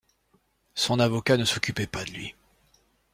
Son avocat ne s'occupait pas de lui.